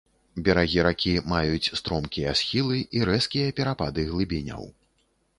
Берагі ракі маюць стромкія схілы і рэзкія перапады глыбіняў.